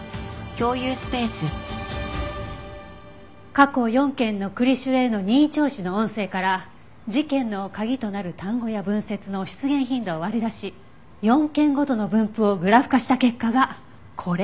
過去４件の栗城への任意聴取の音声から事件の鍵となる単語や文節の出現頻度を割り出し４件ごとの分布をグラフ化した結果がこれ。